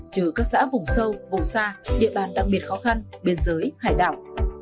trừ các xã vùng sâu vùng xa địa bàn đặc biệt khó khăn biên giới hải đảo